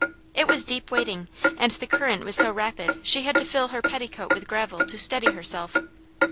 It was deep wading, and the current was so rapid she had to fill her petticoat with gravel to steady herself.